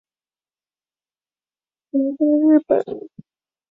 铃鹿川是一条流经日本三重县北部的河流。